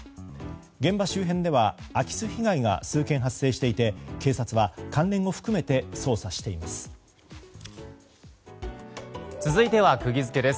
現場周辺では空き巣被害が数件発生していて警察は関連も含めて捜査しています。